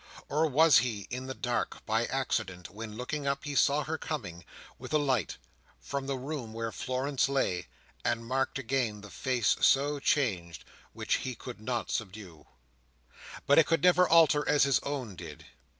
Or was he in the dark by accident, when, looking up, he saw her coming, with a light, from the room where Florence lay, and marked again the face so changed, which he could not subdue? But it could never alter as his own did.